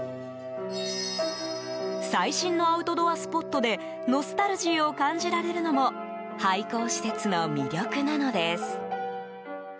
最新のアウトドアスポットでノスタルジーを感じられるのも廃校施設の魅力なのです。